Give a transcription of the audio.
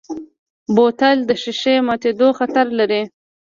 بوتل د ښیښې ماتیدو خطر لري.